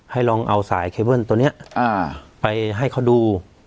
ให้ลองเอาสายเคเบิ้ลตัวนี้ไปให้เขาดู